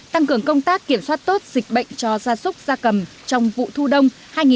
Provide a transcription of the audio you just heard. tăng cường công tác kiểm soát tốt dịch bệnh cho gia súc gia cầm trong vụ thu đông hai nghìn một mươi tám hai nghìn một mươi chín